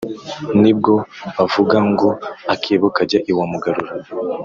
ni bwo bavuga ngo: «akebo kajya iwa mugarura!»